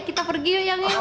kita pergi yuk iyam iyam